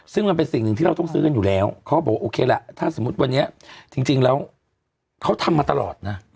ซึ่งมันเป็นสิ่งหนึ่งที่เราต้องซื้อกันอยู่แล้วเขาก็บอกว่าโอเคล่ะถ้าสมมุติวันนี้จริงแล้วเขาทำมาตลอดนะ